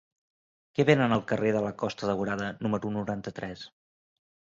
Què venen al carrer de la Costa Daurada número noranta-tres?